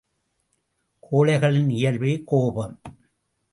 கோழைகளின் இயல்பே கோபம்!